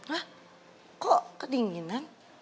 hah kok kedinginan